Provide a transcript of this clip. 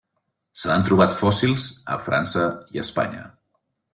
Se n'han trobat fòssils a França i Espanya.